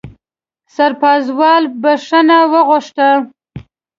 سرپازوال بښنه وغوښته.